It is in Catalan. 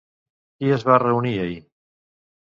Qui es va reunir ahir?